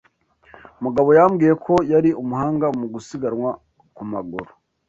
Mugabo yambwiye ko yari umuhanga mu gusiganwa ku maguru.